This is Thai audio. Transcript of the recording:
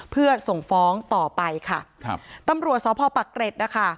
เพื่อส่งฟ้องต่อไปค่ะครับตำรวจสพปักเกร็ดนะคะ